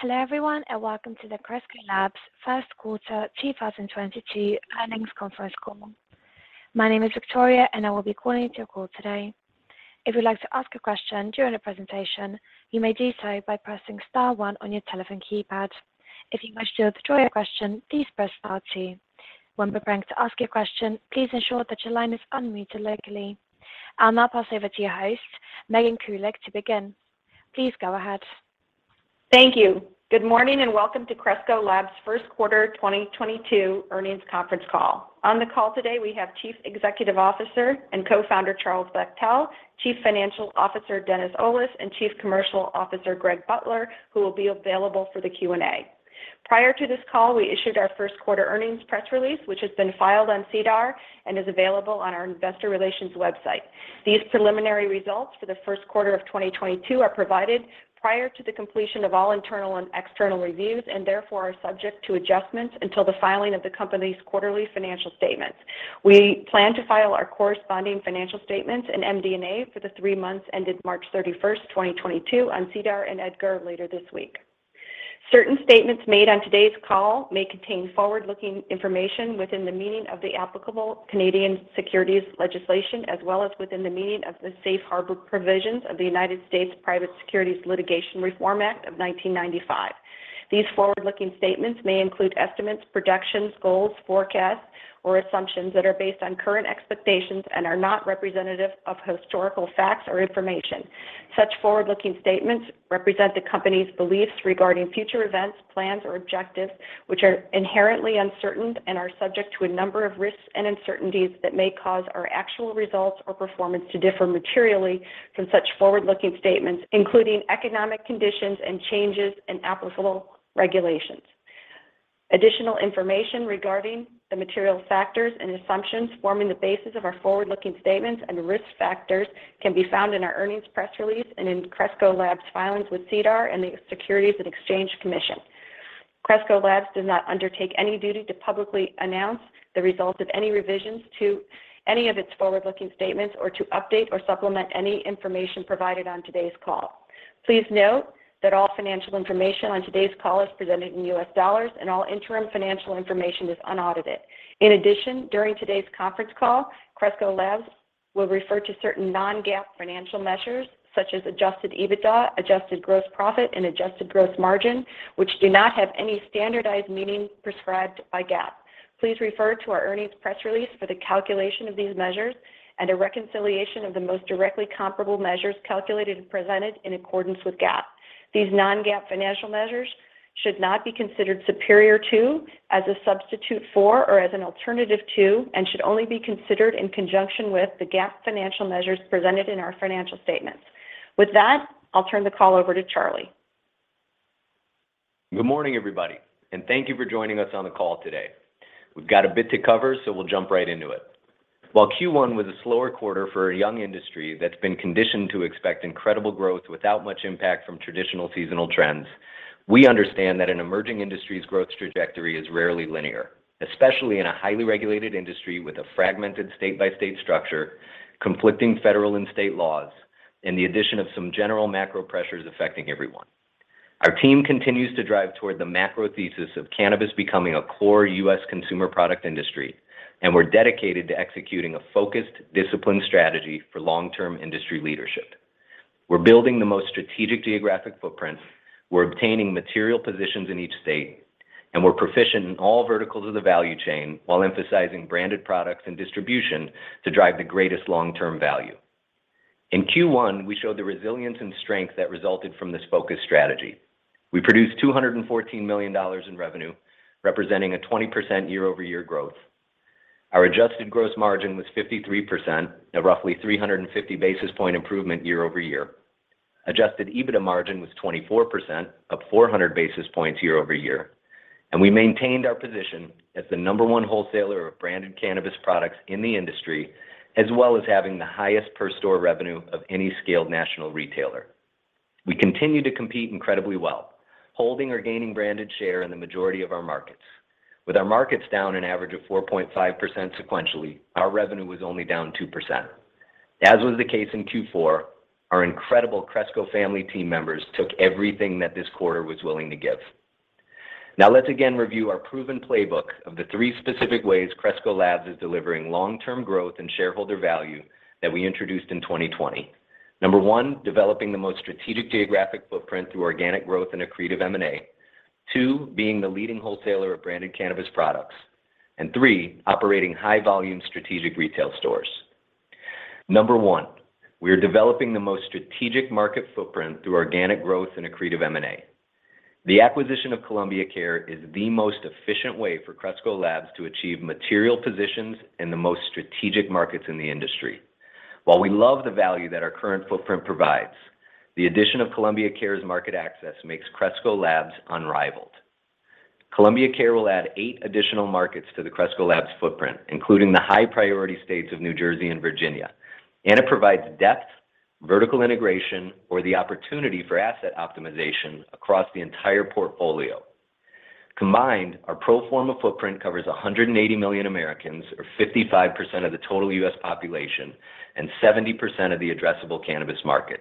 Hello everyone, and welcome to the Cresco Labs Q1 2022 earnings conference call. My name is Victoria and I will be calling into your call today. If you'd like to ask a question during the presentation, you may do so by pressing star one on your telephone keypad. If you wish to withdraw your question, please press star two. When preparing to ask your question, please ensure that your line is unmuted locally. I'll now pass over to your host, Megan Kulick, to begin. Please go ahead. Thank you. Good morning and welcome to Cresco Labs Q1 2022 earnings conference call. On the call today, we have Chief Executive Officer and Co-founder, Charles Bachtell, Chief Financial Officer, Dennis Olis, and Chief Commercial Officer, Greg Butler, who will be available for the Q&A. Prior to this call, we issued our Q1 earnings press release, which has been filed on SEDAR and is available on our investor relations website. These preliminary results for Q1 of 2022 are provided prior to the completion of all internal and external reviews, and therefore are subject to adjustments until the filing of the company's quarterly financial statements. We plan to file our corresponding financial statements and MD&A for the three months ended March 31, 2022 on SEDAR and EDGAR later this week. Certain statements made on today's call may contain forward-looking information within the meaning of the applicable Canadian securities legislation, as well as within the meaning of the Safe Harbor provisions of the United States Private Securities Litigation Reform Act of 1995. These forward-looking statements may include estimates, projections, goals, forecasts, or assumptions that are based on current expectations and are not representative of historical facts or information. Such forward-looking statements represent the company's beliefs regarding future events, plans, or objectives, which are inherently uncertain and are subject to a number of risks and uncertainties that may cause our actual results or performance to differ materially from such forward-looking statements, including economic conditions and changes in applicable regulations. Additional information regarding the material factors and assumptions forming the basis of our forward-looking statements and risk factors can be found in our earnings press release and in Cresco Labs filings with SEDAR and the Securities and Exchange Commission. Cresco Labs does not undertake any duty to publicly announce the results of any revisions to any of its forward-looking statements or to update or supplement any information provided on today's call. Please note that all financial information on today's call is presented in U.S. dollars and all interim financial information is unaudited. In addition, during today's conference call, Cresco Labs will refer to certain non-GAAP financial measures such as adjusted EBITDA, adjusted gross profit, and adjusted gross margin, which do not have any standardized meaning prescribed by GAAP. Please refer to our earnings press release for the calculation of these measures and a reconciliation of the most directly comparable measures calculated and presented in accordance with GAAP. These non-GAAP financial measures should not be considered superior to, as a substitute for, or as an alternative to, and should only be considered in conjunction with the GAAP financial measures presented in our financial statements. With that, I'll turn the call over to Charles. Good morning, everybody, and thank you for joining us on the call today. We've got a bit to cover, so we'll jump right into it. While Q1 was a slower quarter for a young industry that's been conditioned to expect incredible growth without much impact from traditional seasonal trends, we understand that an emerging industry's growth trajectory is rarely linear, especially in a highly regulated industry with a fragmented state-by-state structure, conflicting federal and state laws, and the addition of some general macro pressures affecting everyone. Our team continues to drive toward the macro thesis of cannabis becoming a core U.S. consumer product industry, and we're dedicated to executing a focused, disciplined strategy for long-term industry leadership. We're building the most strategic geographic footprints, we're obtaining material positions in each state, and we're proficient in all verticals of the value chain while emphasizing branded products and distribution to drive the greatest long-term value. In Q1, we showed the resilience and strength that resulted from this focused strategy. We produced $214 million in revenue, representing a 20% year-over-year growth. Our adjusted gross margin was 53%, a roughly 350 basis point improvement year over year. Adjusted EBITDA margin was 24%, up 400 basis points year over year. We maintained our position as the number one wholesaler of branded cannabis products in the industry, as well as having the highest per store revenue of any scaled national retailer. We continue to compete incredibly well, holding or gaining branded share in the majority of our markets. With our markets down an average of 4.5 sequentially, our revenue was only down 2%. As was the case in Q4, our incredible Cresco Labs family team members took everything that this quarter was willing to give. Now let's again review our proven playbook of the three specific ways Cresco Labs is delivering long-term growth and shareholder value that we introduced in 2020. Number one, developing the most strategic geographic footprint through organic growth and accretive M&A. Two, being the leading wholesaler of branded cannabis products. And three, operating high-volume strategic retail stores. Number one, we are developing the most strategic market footprint through organic growth and accretive M&A. The acquisition of Columbia Care is the most efficient way for Cresco Labs to achieve material positions in the most strategic markets in the industry. While we love the value that our current footprint provides, the addition of Columbia Care's market access makes Cresco Labs unrivaled. Columbia Care will add eight additional markets to the Cresco Labs footprint, including the high-priority states of New Jersey and Virginia. It provides depth, vertical integration, or the opportunity for asset optimization across the entire portfolio. Combined, our pro forma footprint covers 180 million Americans, or 55% of the total U.S. population, and 70% of the addressable cannabis market.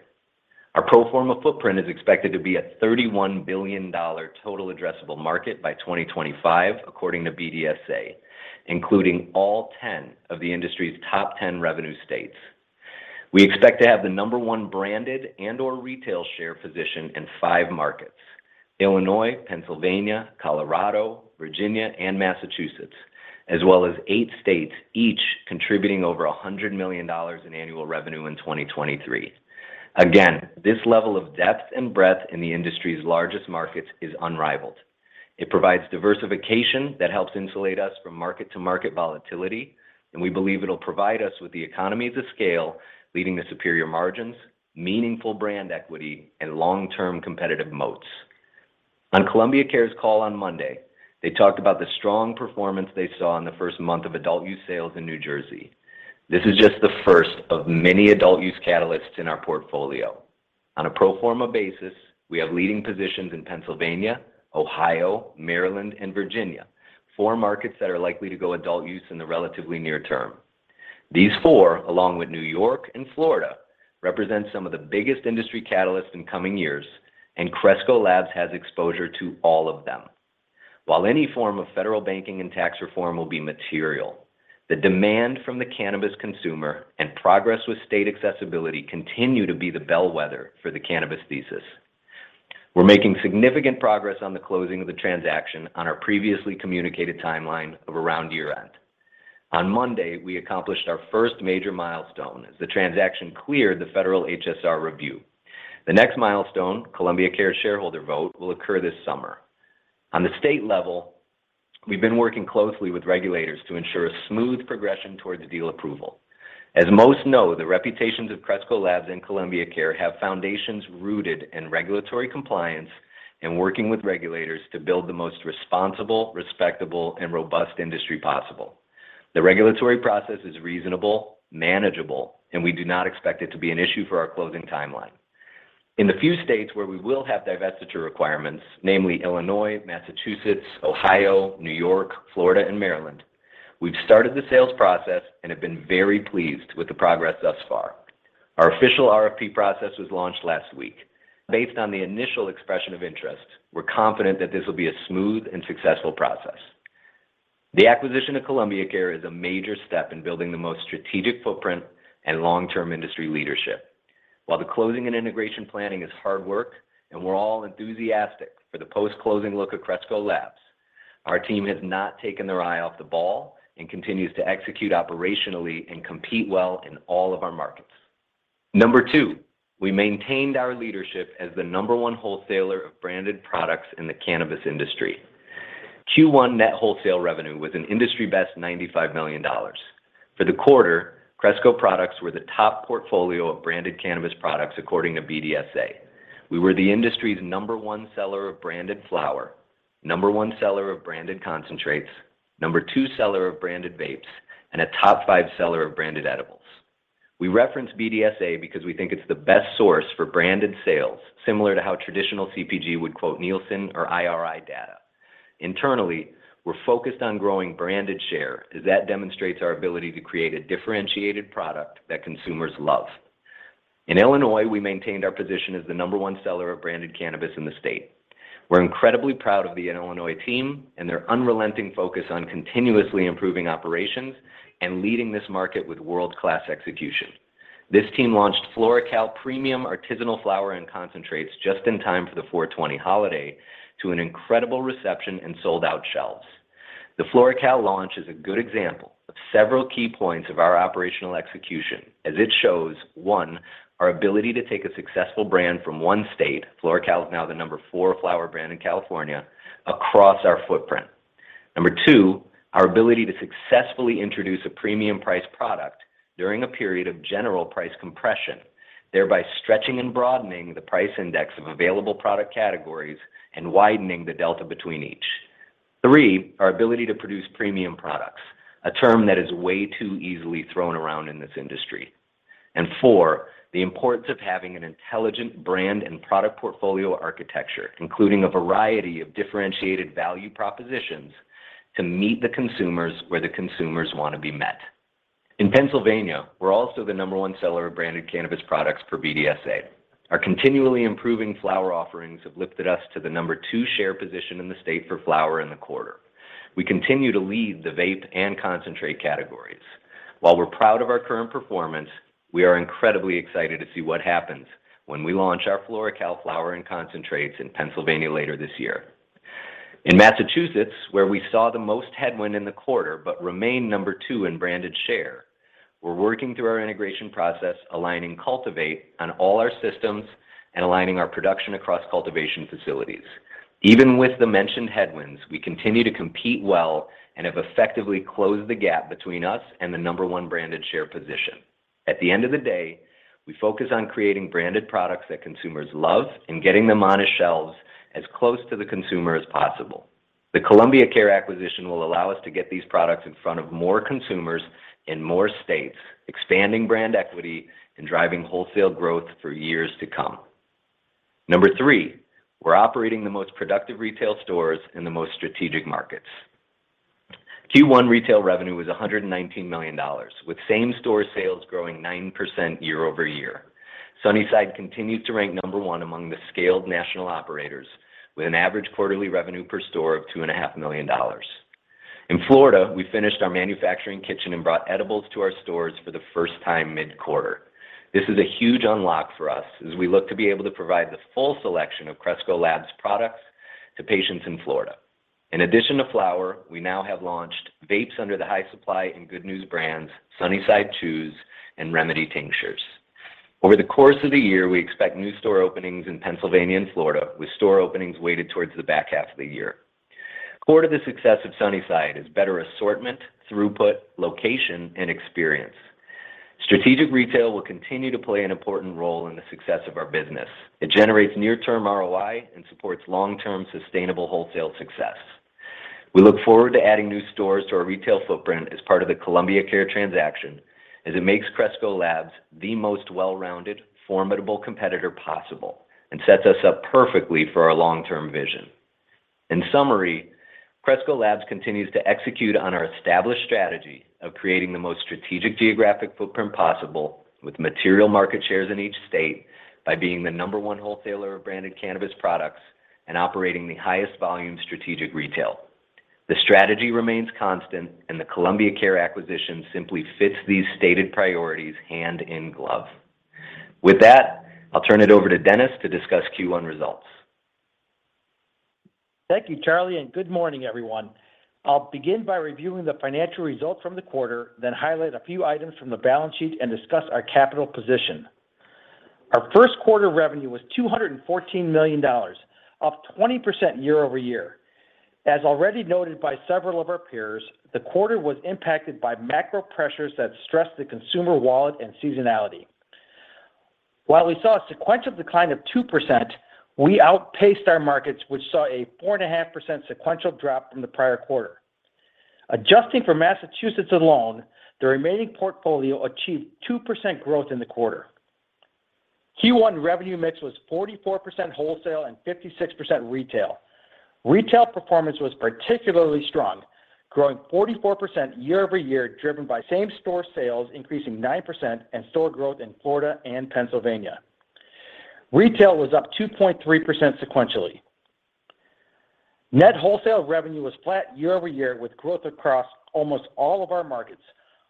Our pro forma footprint is expected to be a $31 billion total addressable market by 2025, according to BDSA, including all 10 of the industry's top 10 revenue states. We expect to have the number one branded and/or retail share position in 5 markets, Illinois, Pennsylvania, Colorado, Virginia, and Massachusetts, as well as 8 states each contributing over $100 million in annual revenue in 2023. Again, this level of depth and breadth in the industry's largest markets is unrivaled. It provides diversification that helps insulate us from market-to-market volatility, and we believe it'll provide us with the economies of scale, leading to superior margins, meaningful brand equity, and long-term competitive moats. On Columbia Care's call on Monday, they talked about the strong performance they saw in the first month of adult use sales in New Jersey. This is just the first of many adult use catalysts in our portfolio. On a pro forma basis, we have leading positions in Pennsylvania, Ohio, Maryland, and Virginia, four markets that are likely to go adult use in the relatively near term. These four, along with New York and Florida, represent some of the biggest industry catalysts in coming years, and Cresco Labs has exposure to all of them. While any form of federal banking and tax reform will be material, the demand from the cannabis consumer and progress with state accessibility continue to be the bellwether for the cannabis thesis. We're making significant progress on the closing of the transaction on our previously communicated timeline of around year-end. On Monday, we accomplished our first major milestone as the transaction cleared the federal HSR review. The next milestone, Columbia Care shareholder vote, will occur this summer. On the state level, we've been working closely with regulators to ensure a smooth progression towards the deal approval. As most know, the reputations of Cresco Labs and Columbia Care have foundations rooted in regulatory compliance and working with regulators to build the most responsible, respectable, and robust industry possible. The regulatory process is reasonable, manageable, and we do not expect it to be an issue for our closing timeline. In the few states where we will have divestiture requirements, namely Illinois, Massachusetts, Ohio, New York, Florida, and Maryland, we've started the sales process and have been very pleased with the progress thus far. Our official RFP process was launched last week. Based on the initial expression of interest, we're confident that this will be a smooth and successful process. The acquisition of Columbia Care is a major step in building the most strategic footprint and long-term industry leadership. While the closing and integration planning is hard work, and we're all enthusiastic for the post-closing look at Cresco Labs, our team has not taken their eye off the ball and continues to execute operationally and compete well in all of our markets. Number two, we maintained our leadership as the number one wholesaler of branded products in the cannabis industry. Q1 net wholesale revenue was an industry-best $95 million. For the quarter, Cresco products were the top portfolio of branded cannabis products according to BDSA. We were the industry's number one seller of branded flower, number one seller of branded concentrates, number two seller of branded vapes, and a top five seller of branded edibles. We reference BDSA because we think it's the best source for branded sales, similar to how traditional CPG would quote Nielsen or IRI data. Internally, we're focused on growing branded share as that demonstrates our ability to create a differentiated product that consumers love. In Illinois, we maintained our position as the number 1 seller of branded cannabis in the state. We're incredibly proud of the Illinois team and their unrelenting focus on continuously improving operations and leading this market with world-class execution. This team launched FloraCal premium artisanal flower and concentrates just in time for the 4/20 holiday to an incredible reception and sold-out shelves. The FloraCal launch is a good example of several key points of our operational execution as it shows, one, our ability to take a successful brand from one state, FloraCal is now the number 4 flower brand in California, across our footprint. Number two, our ability to successfully introduce a premium price product during a period of general price compression, thereby stretching and broadening the price index of available product categories and widening the delta between each. Three, our ability to produce premium products, a term that is way too easily thrown around in this industry. Four, the importance of having an intelligent brand and product portfolio architecture, including a variety of differentiated value propositions to meet the consumers where the consumers want to be met. In Pennsylvania, we're also the number one seller of branded cannabis products per BDSA. Our continually improving flower offerings have lifted us to the number two share position in the state for flower in the quarter. We continue to lead the vape and concentrate categories. While we're proud of our current performance, we are incredibly excited to see what happens when we launch our FloraCal flower and concentrates in Pennsylvania later this year. In Massachusetts, where we saw the most headwind in the quarter but remain number two in branded share, we're working through our integration process, aligning Cultivate on all our systems and aligning our production across cultivation facilities. Even with the mentioned headwinds, we continue to compete well and have effectively closed the gap between us and the number one branded share position. At the end of the day, we focus on creating branded products that consumers love and getting them on shelves as close to the consumer as possible. The Columbia Care acquisition will allow us to get these products in front of more consumers in more states, expanding brand equity and driving wholesale growth for years to come. Number three, we're operating the most productive retail stores in the most strategic markets. Q1 retail revenue was $119 million, with same-store sales growing 9% year-over-year. Sunnyside continues to rank number one among the scaled national operators with an average quarterly revenue per store of $2.5 million. In Florida, we finished our manufacturing kitchen and brought edibles to our stores for the first time mid-quarter. This is a huge unlock for us as we look to be able to provide the full selection of Cresco Labs products to patients in Florida. In addition to flower, we now have launched vapes under the High Supply and Good News brands, Sunnyside Chews, and Remedi tinctures. Over the course of the year, we expect new store openings in Pennsylvania and Florida, with store openings weighted towards the back half of the year. Core to the success of Sunnyside is better assortment, throughput, location, and experience. Strategic retail will continue to play an important role in the success of our business. It generates near-term ROI and supports long-term sustainable wholesale success. We look forward to adding new stores to our retail footprint as part of the Columbia Care transaction, as it makes Cresco Labs the most well-rounded, formidable competitor possible and sets us up perfectly for our long-term vision. In summary, Cresco Labs continues to execute on our established strategy of creating the most strategic geographic footprint possible with material market shares in each state by being the number one wholesaler of branded cannabis products and operating the highest volume strategic retail. The strategy remains constant, and the Columbia Care acquisition simply fits these stated priorities hand in glove. With that, I'll turn it over to Dennis to discuss Q1 results. Thank you, Charlie, and good morning, everyone. I'll begin by reviewing the financial results from the quarter, then highlight a few items from the balance sheet and discuss our capital position. Our Q1 revenue was $214 million, up 20% year over year. As already noted by several of our peers, the quarter was impacted by macro pressures that stressed the consumer wallet and seasonality. While we saw a sequential decline of 2%, we outpaced our markets, which saw a 4.5% sequential drop from the prior quarter. Adjusting for Massachusetts alone, the remaining portfolio achieved 2% growth in the quarter. Q1 revenue mix was 44% wholesale and 56% retail. Retail performance was particularly strong, growing 44% year over year, driven by same-store sales increasing 9% and store growth in Florida and Pennsylvania. Retail was up 2.3% sequentially. Net wholesale revenue was flat year over year, with growth across almost all of our markets,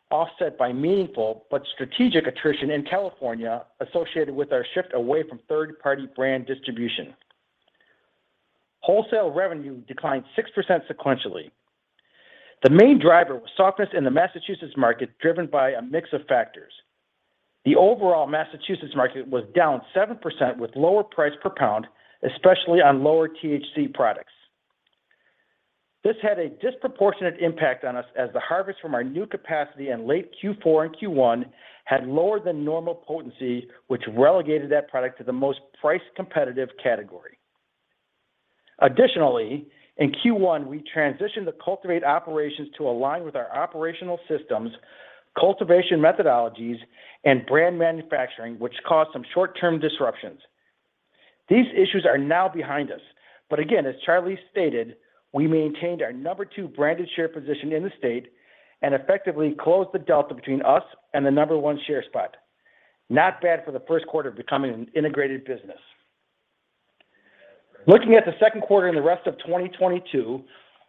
offset by meaningful but strategic attrition in California associated with our shift away from third-party brand distribution. Wholesale revenue declined 6% sequentially. The main driver was softness in the Massachusetts market, driven by a mix of factors. The overall Massachusetts market was down 7% with lower price per pound, especially on lower THC products. This had a disproportionate impact on us as the harvest from our new capacity in late Q4 and Q1 had lower than normal potency, which relegated that product to the most price-competitive category. Additionally, in Q1, we transitioned the Cultivate operations to align with our operational systems, cultivation methodologies, and brand manufacturing, which caused some short-term disruptions. These issues are now behind us. Again, as Charlie stated, we maintained our number 2 branded share position in the state and effectively closed the delta between us and the number 1 share spot. Not bad for Q1 of becoming an integrated business. Looking at Q2 and the rest of 2022,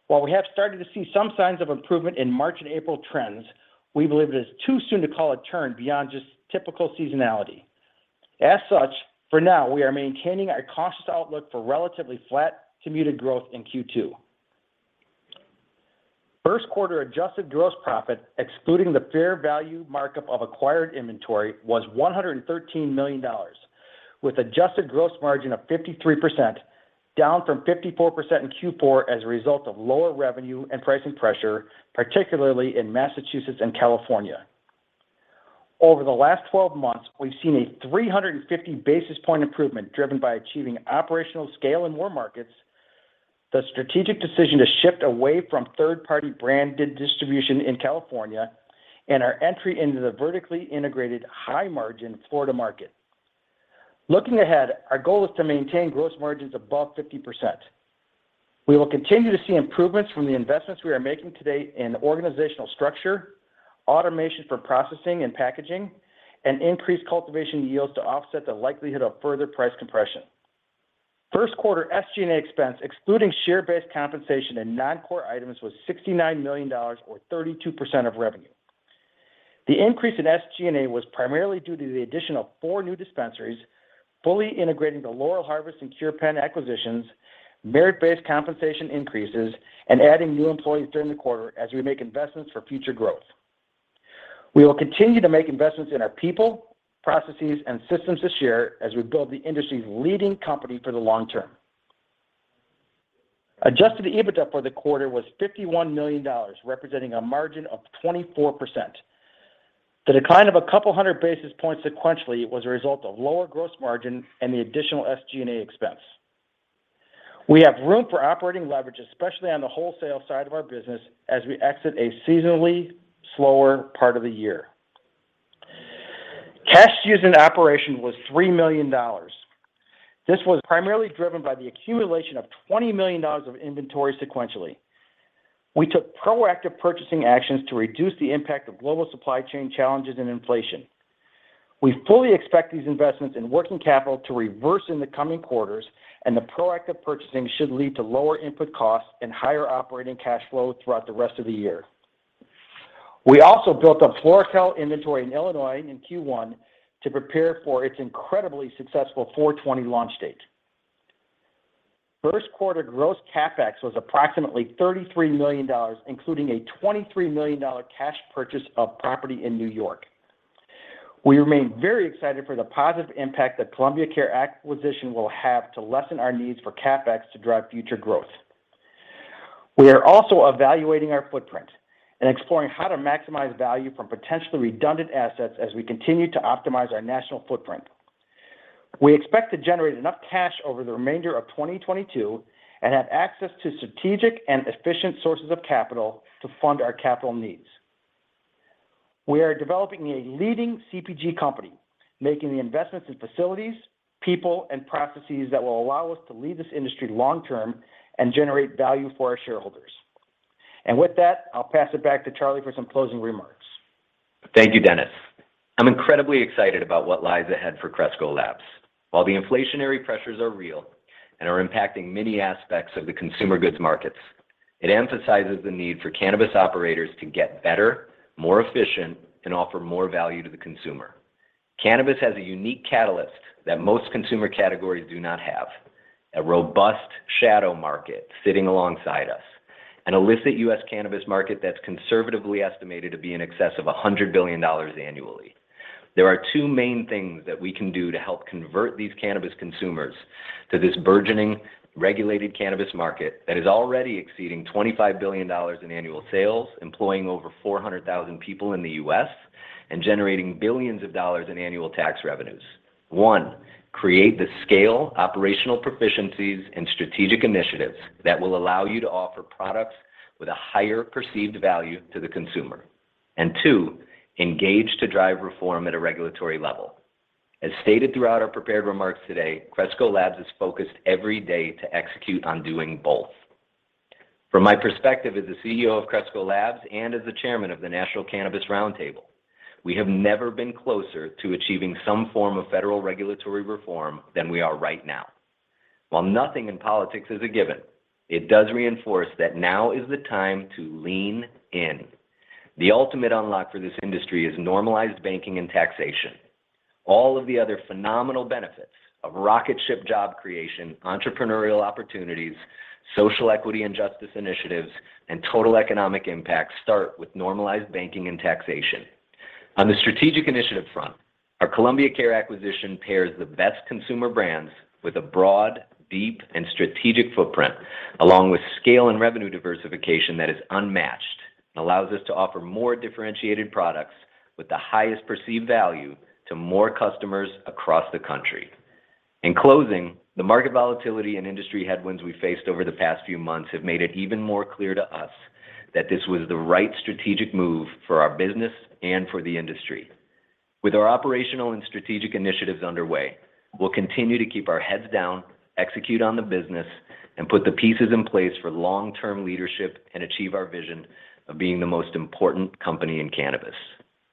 while we have started to see some signs of improvement in March and April trends, we believe it is too soon to call a turn beyond just typical seasonality. As such, for now, we are maintaining our cautious outlook for relatively flat to muted growth in Q2. Q1 adjusted gross profit, excluding the fair value markup of acquired inventory, was $113 million, with adjusted gross margin of 53%, down from 54% in Q4 as a result of lower revenue and pricing pressure, particularly in Massachusetts and California. Over the last 12 months, we've seen a 350 basis point improvement driven by achieving operational scale in more markets, the strategic decision to shift away from third-party branded distribution in California, and our entry into the vertically integrated high-margin Florida market. Looking ahead, our goal is to maintain gross margins above 50%. We will continue to see improvements from the investments we are making today in organizational structure, automation for processing and packaging, and increased cultivation yields to offset the likelihood of further price compression. Q1 SG&A expense, excluding share-based compensation and non-core items, was $69 million or 32% of revenue. The increase in SG&A was primarily due to the addition of four new dispensaries, fully integrating the Laurel Harvest and Cure Penn acquisitions, merit-based compensation increases, and adding new employees during the quarter as we make investments for future growth. We will continue to make investments in our people, processes, and systems this year as we build the industry's leading company for the long term. Adjusted EBITDA for the quarter was $51 million, representing a margin of 24%. The decline of a couple hundred basis points sequentially was a result of lower gross margin and the additional SG&A expense. We have room for operating leverage, especially on the wholesale side of our business, as we exit a seasonally slower part of the year. Cash used in operation was $3 million. This was primarily driven by the accumulation of $20 million of inventory sequentially. We took proactive purchasing actions to reduce the impact of global supply chain challenges and inflation. We fully expect these investments in working capital to reverse in the coming quarters, and the proactive purchasing should lead to lower input costs and higher operating cash flow throughout the rest of the year. We also built up FloraCal inventory in Illinois in Q1 to prepare for its incredibly successful 4/20 launch date. Q1 gross CapEx was approximately $33 million, including a $23 million cash purchase of property in New York. We remain very excited for the positive impact that Columbia Care acquisition will have to lessen our needs for CapEx to drive future growth. We are also evaluating our footprint and exploring how to maximize value from potentially redundant assets as we continue to optimize our national footprint. We expect to generate enough cash over the remainder of 2022 and have access to strategic and efficient sources of capital to fund our capital needs. We are developing a leading CPG company, making the investments in facilities, people, and processes that will allow us to lead this industry long-term and generate value for our shareholders. With that, I'll pass it back to Charlie for some closing remarks. Thank you, Dennis. I'm incredibly excited about what lies ahead for Cresco Labs. While the inflationary pressures are real and are impacting many aspects of the consumer goods markets, it emphasizes the need for cannabis operators to get better, more efficient, and offer more value to the consumer. Cannabis has a unique catalyst that most consumer categories do not have, a robust shadow market sitting alongside us, an illicit U.S. cannabis market that's conservatively estimated to be in excess of $100 billion annually. There are two main things that we can do to help convert these cannabis consumers to this burgeoning regulated cannabis market that is already exceeding $25 billion in annual sales, employing over 400,000 people in the U.S., and generating billions of dollars in annual tax revenues. One, create the scale, operational proficiencies, and strategic initiatives that will allow you to offer products with a higher perceived value to the consumer. Two, engage to drive reform at a regulatory level. As stated throughout our prepared remarks today, Cresco Labs is focused every day to execute on doing both. From my perspective as the CEO of Cresco Labs and as the chairman of the National Cannabis Roundtable, we have never been closer to achieving some form of federal regulatory reform than we are right now. While nothing in politics is a given, it does reinforce that now is the time to lean in. The ultimate unlock for this industry is normalized banking and taxation. All of the other phenomenal benefits of rocket ship job creation, entrepreneurial opportunities, social equity and justice initiatives, and total economic impact start with normalized banking and taxation. On the strategic initiative front, our Columbia Care acquisition pairs the best consumer brands with a broad, deep, and strategic footprint, along with scale and revenue diversification that is unmatched and allows us to offer more differentiated products with the highest perceived value to more customers across the country. In closing, the market volatility and industry headwinds we faced over the past few months have made it even more clear to us that this was the right strategic move for our business and for the industry. With our operational and strategic initiatives underway, we'll continue to keep our heads down, execute on the business, and put the pieces in place for long-term leadership and achieve our vision of being the most important company in cannabis.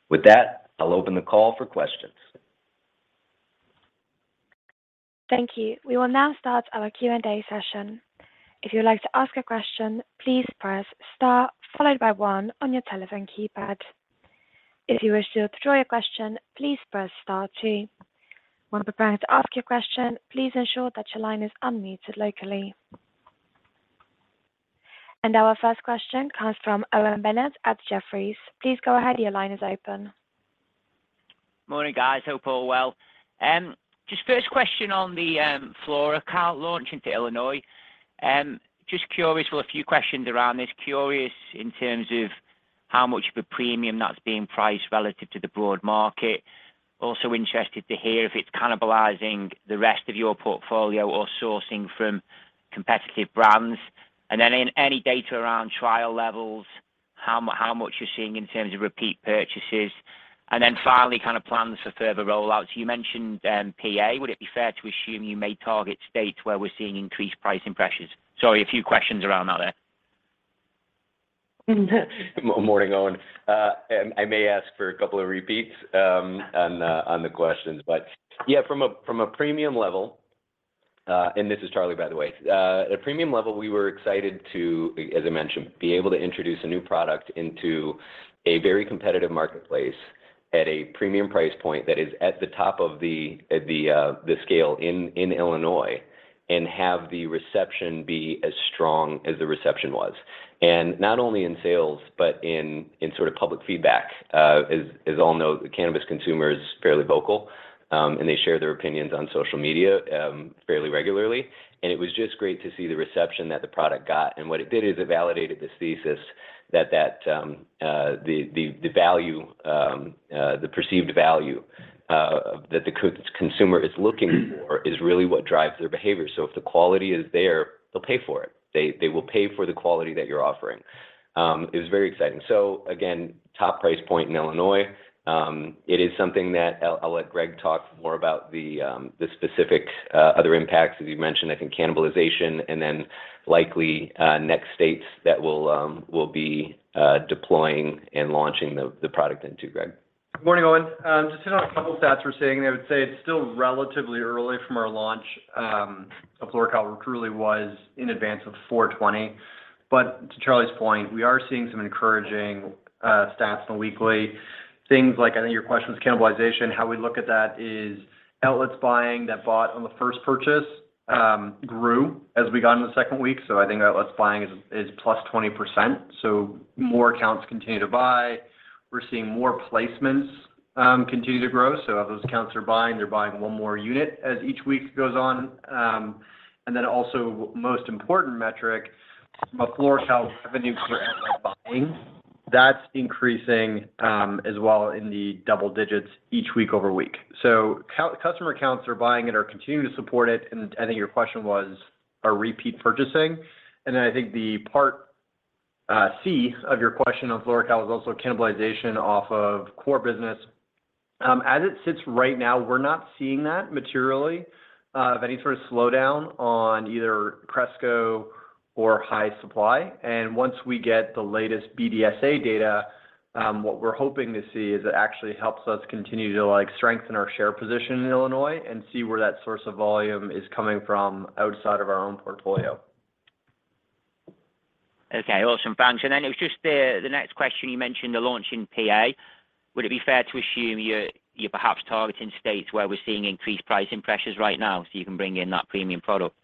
With that, I'll open the call for questions. Thank you. We will now start our Q&A session. If you would like to ask a question, please press star followed by one on your telephone keypad. If you wish to withdraw your question, please press star two. When preparing to ask your question, please ensure that your line is unmuted locally. Our first question comes from Owen Bennett at Jefferies. Please go ahead. Your line is open. Morning, guys. Hope all well. Just first question on the FloraCal launch into Illinois. Just curious for a few questions around this. Curious in terms of how much of a premium that's being priced relative to the broad market. Also interested to hear if it's cannibalizing the rest of your portfolio or sourcing from competitive brands. Then any data around trial levels, how much you're seeing in terms of repeat purchases. Then finally, kind of plans for further rollouts. You mentioned PA. Would it be fair to assume you may target states where we're seeing increased pricing pressures? Sorry, a few questions around that there. Morning, Owen. I may ask for a couple of repeats on the questions. Yeah, from a premium level, and this is Charlie, by the way. At a premium level, we were excited to, as I mentioned, be able to introduce a new product into a very competitive marketplace at a premium price point that is at the top of the scale in Illinois and have the reception be as strong as the reception was. Not only in sales, but in sort of public feedback. As all know, the cannabis consumer is fairly vocal, and they share their opinions on social media fairly regularly. It was just great to see the reception that the product got. What it did is it validated this thesis that the perceived value that the consumer is looking for is really what drives their behavior. If the quality is there, they'll pay for it. They will pay for the quality that you're offering. It was very exciting. Again, top price point in Illinois, it is something that I'll let Greg talk more about the specific other impacts, as you mentioned, I think cannibalization and then likely next states that we'll be deploying and launching the product into, Greg. Morning, Owen. Just hit on a couple stats we're seeing. I would say it's still relatively early from our launch of FloraCal, which really was in advance of four twenty. To Charlie's point, we are seeing some encouraging stats on the weekly. Things like, I think your question was cannibalization, how we look at that is outlets buying that bought on the first purchase grew as we got into the second week, so I think outlets buying is +20%, so more accounts continue to buy. We're seeing more placements continue to grow, so as those accounts are buying, they're buying one more unit as each week goes on. Then also most important metric, from a FloraCal revenue perspective buying, that's increasing as well in the double digits each week-over-week. Customer accounts are buying it or continuing to support it, and I think your question was, are repeat purchasing. Then I think the part C of your question on FloraCal was also cannibalization off of core business. As it sits right now, we're not seeing that materially of any sort of slowdown on either Cresco or High Supply. Once we get the latest BDSA data, what we're hoping to see is it actually helps us continue to, like, strengthen our share position in Illinois and see where that source of volume is coming from outside of our own portfolio. Okay. Awesome. Thanks. It was just the next question. You mentioned the launch in PA. Would it be fair to assume you're perhaps targeting states where we're seeing increased pricing pressures right now so you can bring in that premium product?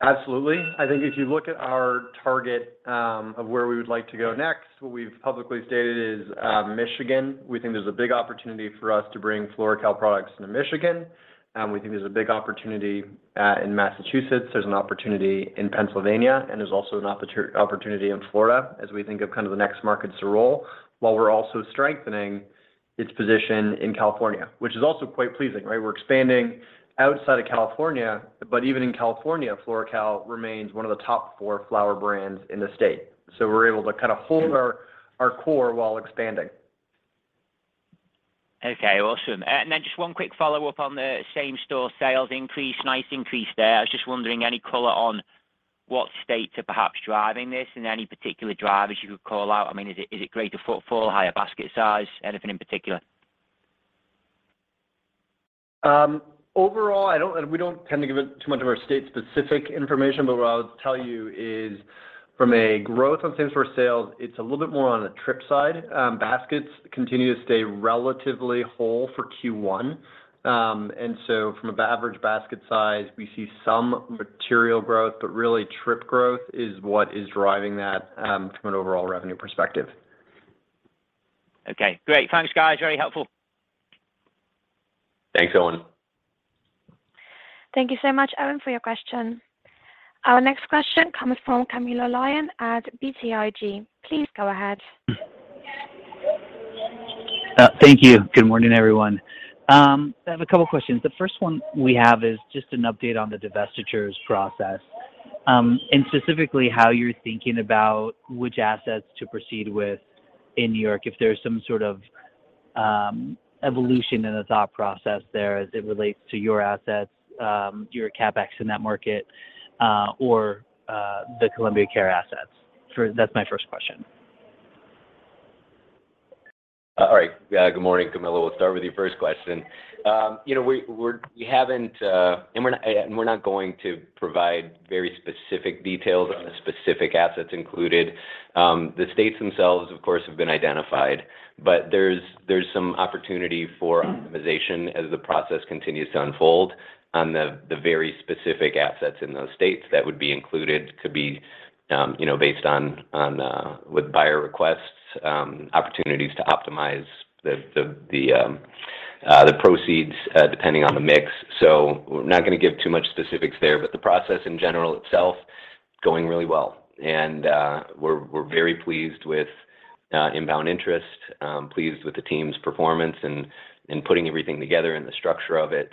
Absolutely. I think if you look at our target of where we would like to go next, what we've publicly stated is Michigan. We think there's a big opportunity for us to bring FloraCal products into Michigan. We think there's a big opportunity in Massachusetts. There's an opportunity in Pennsylvania, and there's also an opportunity in Florida as we think of kind of the next markets to roll, while we're also strengthening its position in California, which is also quite pleasing, right? We're expanding outside of California, but even in California, FloraCal remains one of the top four flower brands in the state. We're able to kind of hold our core while expanding. Just one quick follow-up on the same-store sales increase, nice increase there. I was just wondering any color on what states are perhaps driving this and any particular drivers you could call out. I mean, is it greater footfall, higher basket size, anything in particular? Overall, we don't tend to give out too much of our state-specific information, but what I would tell you is from a growth on same-store sales, it's a little bit more on the trip side. Baskets continue to stay relatively whole for Q1. From an average basket size, we see some material growth, but really trip growth is what is driving that, from an overall revenue perspective. Okay. Great. Thanks, guys. Very helpful. Thanks, Owen. Thank you so much, Owen, for your question. Our next question comes from Camilo Lyon at BTIG. Please go ahead. Thank you. Good morning, everyone. I have a couple questions. The first one we have is just an update on the divestitures process, and specifically how you're thinking about which assets to proceed with in New York, if there's some sort of evolution in the thought process there as it relates to your assets, your CapEx in that market, or the Columbia Care assets. That's my first question. All right. Good morning, Camilo. We'll start with your first question. You know, we haven't, and we're not going to provide very specific details on the specific assets included. The states themselves, of course, have been identified, but there's some opportunity for optimization as the process continues to unfold on the very specific assets in those states that would be included. Could be, you know, based on, with buyer requests, opportunities to optimize the proceeds, depending on the mix. So we're not gonna give too much specifics there, but the process in general itself is going really well. We're very pleased with inbound interest, pleased with the team's performance and putting everything together and the structure of it.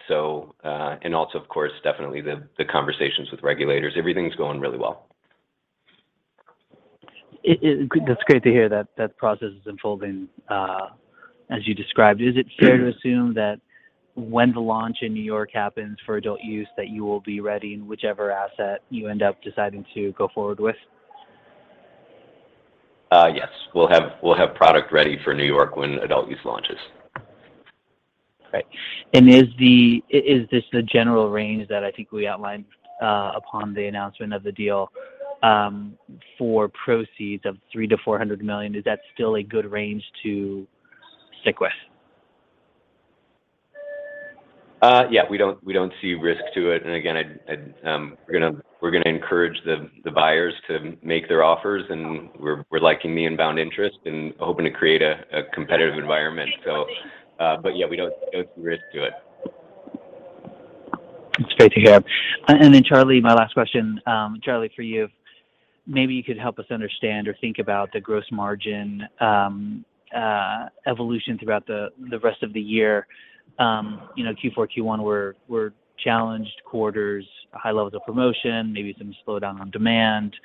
Of course, definitely the conversations with regulators. Everything's going really well. That's great to hear that the process is unfolding as you described. Is it fair to assume that when the launch in New York happens for adult use, that you will be ready in whichever asset you end up deciding to go forward with? Yes. We'll have product ready for New York when adult use launches. Great. Is this the general range that I think we outlined upon the announcement of the deal for proceeds of $300 million-$400 million? Is that still a good range to stick with? Yeah, we don't see risk to it, and again, we're gonna encourage the buyers to make their offers, and we're liking the inbound interest and hoping to create a competitive environment. Yeah, we don't see risk to it. It's great to hear. Then Charles, my last question, Charles, for you, maybe you could help us understand or think about the gross margin evolution throughout the rest of the year. You know, Q4, Q1 were challenged quarters, high levels of promotion, maybe some slowdown on demand.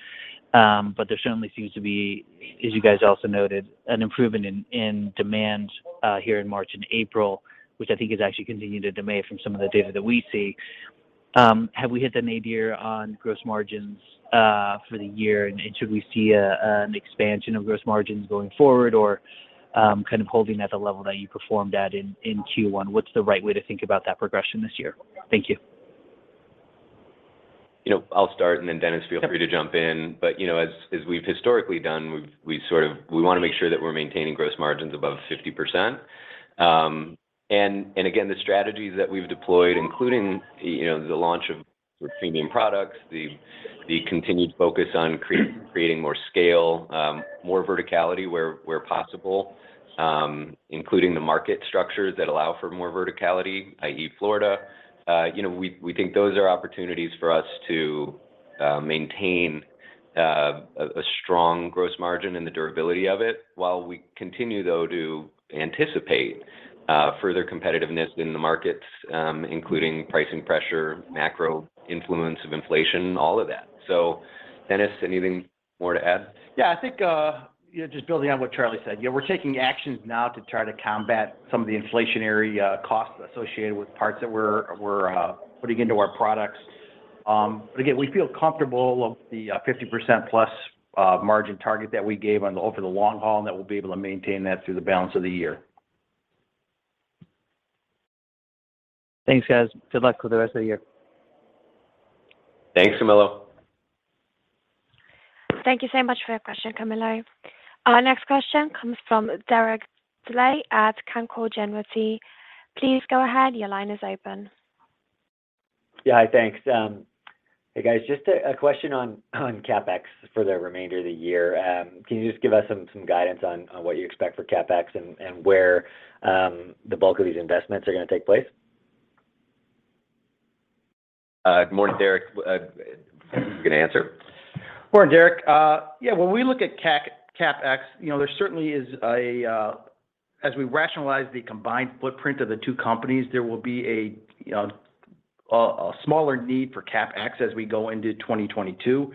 But there certainly seems to be, as you guys also noted, an improvement in demand here in March and April, which I think is actually continuing the demand from some of the data that we see. Have we hit the nadir on gross margins for the year? And should we see an expansion of gross margins going forward, or kind of holding at the level that you performed at in Q1? What's the right way to think about that progression this year? Thank you. You know, I'll start, and then Dennis- Sure. Feel free to jump in. You know, as we've historically done, we wanna make sure that we're maintaining gross margins above 50%. And again, the strategies that we've deployed, including, you know, the launch of premium products, the continued focus on creating more scale, more verticality where possible, including the market structures that allow for more verticality, i.e., Florida, you know, we think those are opportunities for us to maintain a strong gross margin and the durability of it while we continue though to anticipate further competitiveness in the markets, including pricing pressure, macro influence of inflation, all of that. So Dennis, anything more to add? Yeah. I think, you know, just building on what Charlie said, yeah, we're taking actions now to try to combat some of the inflationary costs associated with parts that we're putting into our products. But again, we feel comfortable of the 50% plus margin target that we gave over the long haul, and that we'll be able to maintain that through the balance of the year. Thanks, guys. Good luck with the rest of the year. Thanks, Camilo. Thank you so much for your question, Camilo. Our next question comes from Derek Dley at Canaccord Genuity. Please go ahead, your line is open. Yeah. Hi. Thanks. Hey, guys, just a question on CapEx for the remainder of the year. Can you just give us some guidance on what you expect for CapEx and where the bulk of these investments are gonna take place? Good morning, Derek. Who can answer? Morning, Derek. When we look at CapEx, you know, there certainly is, as we rationalize the combined footprint of the two companies, there will be, you know, a smaller need for CapEx as we go into 2022.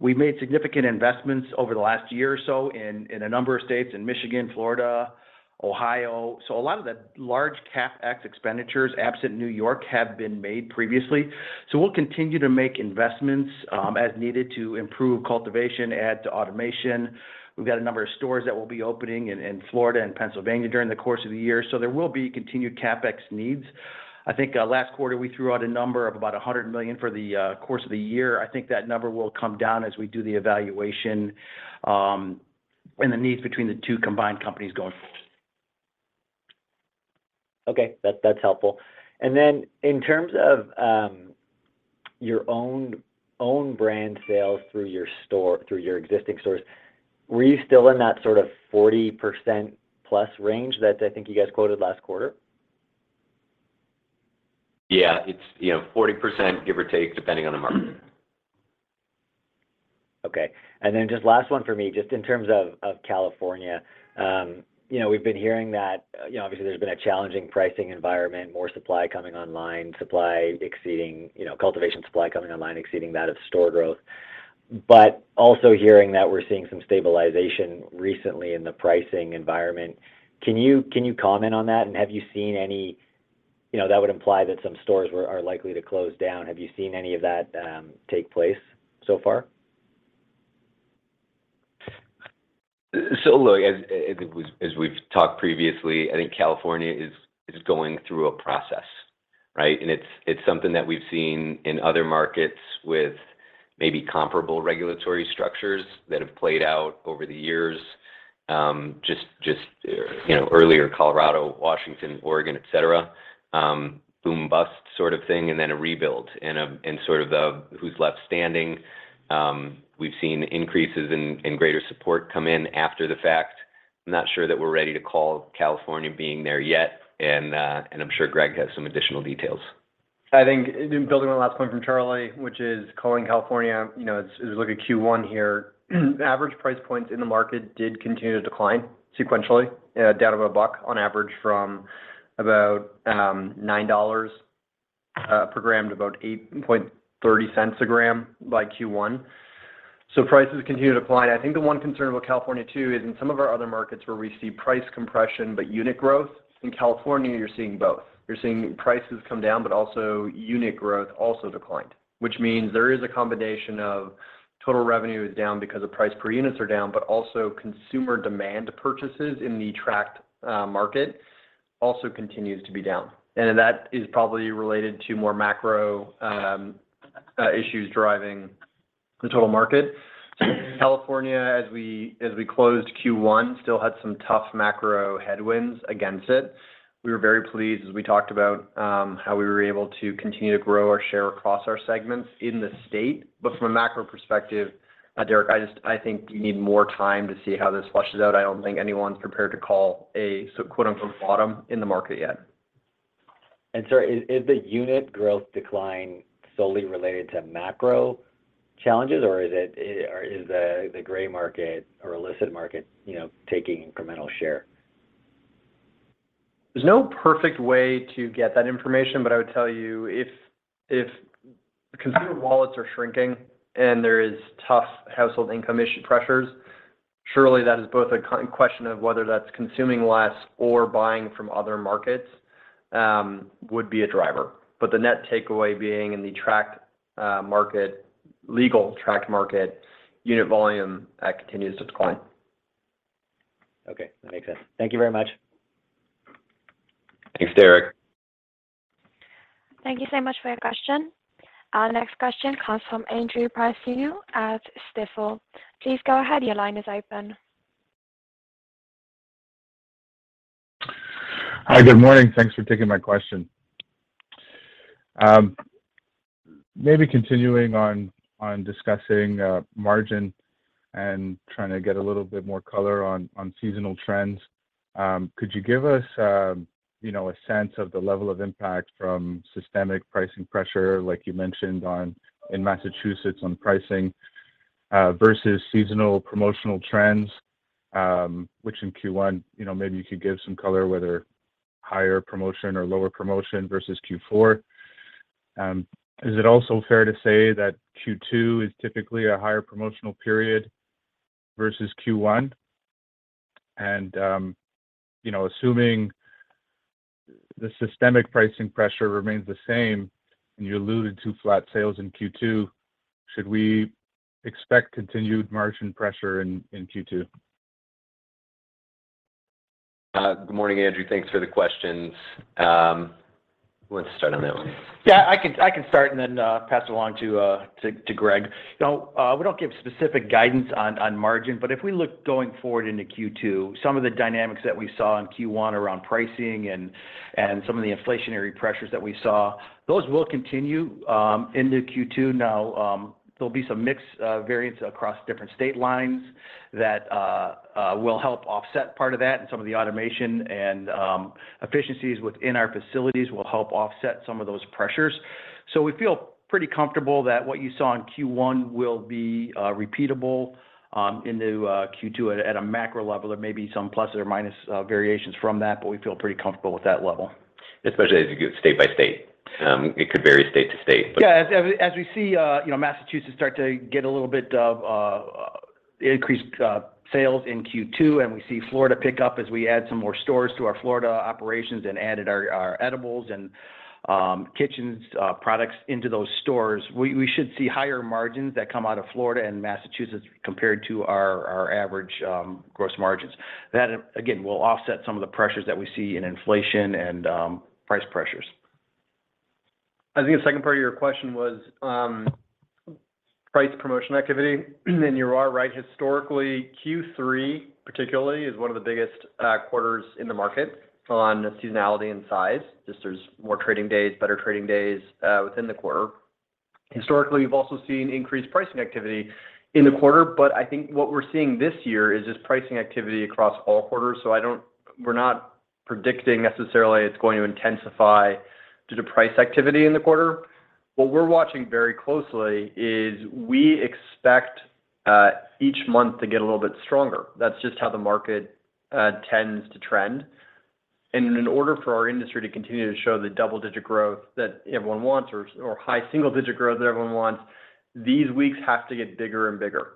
We made significant investments over the last year or so in a number of states, in Michigan, Florida, Ohio. So a lot of the large CapEx expenditures, absent New York, have been made previously. So we'll continue to make investments as needed to improve cultivation, add to automation. We've got a number of stores that will be opening in Florida and Pennsylvania during the course of the year, so there will be continued CapEx needs. I think last quarter, we threw out a number of about $100 million for the course of the year. I think that number will come down as we do the evaluation, and the needs between the two combined companies going forward. Okay. That’s helpful. In terms of your own brand sales through your store, through your existing stores, were you still in that sort of 40% plus range that I think you guys quoted last quarter? Yeah. It's, you know, 40%, give or take, depending on the market. Okay. Just last one for me, just in terms of California, you know, we've been hearing that, you know, obviously there's been a challenging pricing environment, more supply coming online, supply exceeding, you know, cultivation supply coming online exceeding that of store growth, but also hearing that we're seeing some stabilization recently in the pricing environment. Can you comment on that? You know, that would imply that some stores were, are likely to close down. Have you seen any of that take place so far? Look, as we've talked previously, I think California is going through a process, right? It's something that we've seen in other markets with maybe comparable regulatory structures that have played out over the years, just you know, earlier Colorado, Washington, Oregon, et cetera, boom bust sort of thing, and then a rebuild and sort of the who's left standing. We've seen increases in greater support come in after the fact. I'm not sure that we're ready to call California being there yet, and I'm sure Greg has some additional details. I think in building on the last point from Charlie, which is calling California, you know, as we look at Q1 here, average price points in the market did continue to decline sequentially, down about $1 on average from about $9 per gram to about $8.30 per gram by Q1. Prices continued to decline. I think the one concern about California too is in some of our other markets where we see price compression, but unit growth, in California, you're seeing both. You're seeing prices come down, but also unit growth also declined, which means there is a combination of total revenue is down because the price per units are down, but also consumer demand purchases in the tracked market also continues to be down. That is probably related to more macro issues driving the total market. California, as we closed Q1, still had some tough macro headwinds against it. We were very pleased as we talked about how we were able to continue to grow our share across our segments in the state. From a macro perspective, Derek, I just think you need more time to see how this flushes out. I don't think anyone's prepared to call a quote, unquote, bottom in the market yet. Is the unit growth decline solely related to macro challenges or is the gray market or illicit market, you know, taking incremental share? There's no perfect way to get that information, but I would tell you if consumer wallets are shrinking and there is tough household income issue pressures, surely that is both a kind question of whether that's consuming less or buying from other markets, would be a driver. The net takeaway being in the tracked market, legal tracked market, unit volume continues to decline. Okay. That makes sense. Thank you very much. Thanks, Derek. Thank you so much for your question. Our next question comes from Andrew Partheniou at Stifel. Please go ahead, your line is open. Hi. Good morning. Thanks for taking my question. Maybe continuing on discussing margin and trying to get a little bit more color on seasonal trends. Could you give us, you know, a sense of the level of impact from systemic pricing pressure like you mentioned on, in Massachusetts on pricing versus seasonal promotional trends, which in Q1, you know, maybe you could give some color whether higher promotion or lower promotion versus Q4. Is it also fair to say that Q2 is typically a higher promotional period versus Q1? And, you know, assuming the systemic pricing pressure remains the same, and you alluded to flat sales in Q2, should we expect continued margin pressure in Q2? Good morning, Andrew. Thanks for the questions. Who wants to start on that one? Yeah, I can start and then pass it along to Greg. You know, we don't give specific guidance on margin, but if we look going forward into Q2, some of the dynamics that we saw in Q1 around pricing and some of the inflationary pressures that we saw, those will continue into Q2. Now, there'll be some mix variance across different state lines that will help offset part of that and some of the automation and efficiencies within our facilities will help offset some of those pressures. So we feel pretty comfortable that what you saw in Q1 will be repeatable into Q2 at a macro level. There may be some plus or minus variations from that, but we feel pretty comfortable with that level. Especially as you go state by state. It could vary state to state, but- Yeah. As we see you know Massachusetts start to get a little bit of increased sales in Q2 and we see Florida pick up as we add some more stores to our Florida operations and added our edibles and kitchen products into those stores, we should see higher margins that come out of Florida and Massachusetts compared to our average gross margins. That again will offset some of the pressures that we see in inflation and price pressures. I think the second part of your question was, price promotion activity. You are right. Historically, Q3 particularly is one of the biggest quarters in the market on seasonality and size. Just there's more trading days, better trading days, within the quarter. Historically, we've also seen increased pricing activity in the quarter, but I think what we're seeing this year is just pricing activity across all quarters. We're not predicting necessarily it's going to intensify due to price activity in the quarter. What we're watching very closely is we expect, each month to get a little bit stronger. That's just how the market tends to trend. In order for our industry to continue to show the double-digit growth that everyone wants or high single digit growth that everyone wants, these weeks have to get bigger and bigger,